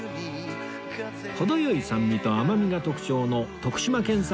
程良い酸味と甘みが特徴の徳島県産